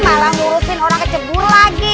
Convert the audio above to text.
malah ngurusin orang kecebur lagi